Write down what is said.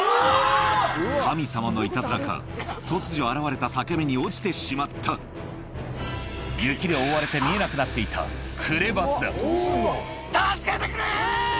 神様のイタズラか突如現れた裂け目に落ちてしまった雪で覆われて見えなくなっていた助けてくれ！